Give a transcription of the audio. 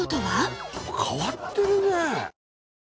変わってるねえ